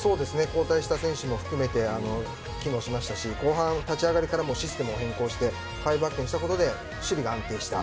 交代した選手も含めて機能しましたし後半立ち上がりからもシステムを変更して５バックにしたことで守備が安定した。